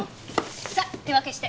さあ手分けして。